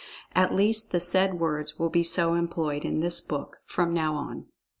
At least, the said words will be so employed in this book, from now on.